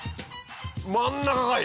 真ん中かい！